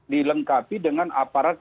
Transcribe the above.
dilengkapi dengan aparat